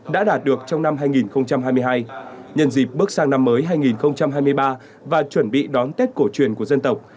đã đạt được trong năm hai nghìn hai mươi hai nhân dịp bước sang năm mới hai nghìn hai mươi ba và chuẩn bị đón tết cổ truyền của dân tộc